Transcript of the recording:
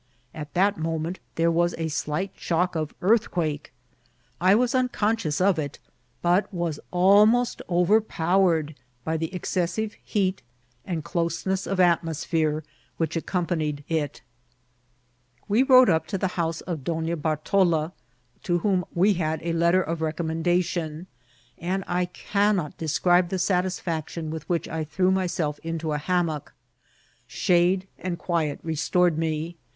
At that mo ment there was a slight shock of earthquake. I was unconscious of it, but was almost overpowered by the M INCIDXMTS OP TKATSL. exoMBiTe heat and ckMeneos of atmoq;>here i^ch ae* aompanied it. We rode up to the house of Donna Bartola, to whom we had a letter of recommendation^ and I cannot de» aoribe the satisfaction with which I threw myself into a hammock. Shade and quiet restored me.